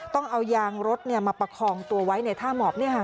ต้องเอายางรถเนี่ยมาประคองตัวไว้ในท่ามอบเนี่ยค่ะ